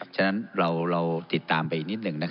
ฉะนั้นเราติดตามไปอีกนิดหนึ่ง